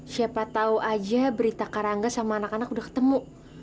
siapa tahu aja berita karangga sama anak anak udah ketemu